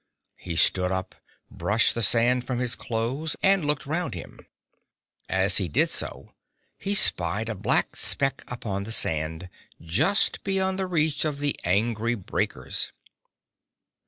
He stood up, brushed the sand from his clothes, and looked round him. As he did so, he spied a black speck upon the sand, just beyond the reach of the angry breakers.